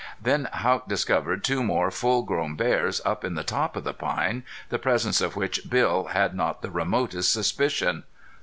Then Haught discovered two more full grown bears up in the top of the pine, the presence of which Bill had not the remotest suspicion.